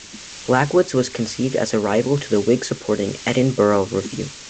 "Blackwood's" was conceived as a rival to the Whig-supporting "Edinburgh Review.